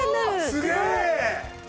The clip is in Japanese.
すげえ！